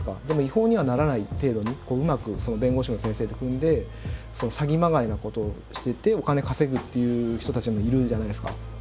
でも違法にはならない程度にうまく弁護士の先生と組んで詐欺まがいなことをしててお金稼ぐっていう人たちもいるじゃないですか。